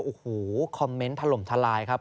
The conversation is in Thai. โอ้โหคอมเมนต์ถล่มทลายครับ